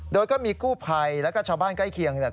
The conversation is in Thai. โดยก็มีกู้ภัยแล้วก็ชาวบ้านใกล้เคียงเนี่ย